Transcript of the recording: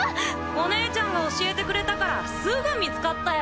おねえちゃんが教えてくれたからすぐ見つかったよ！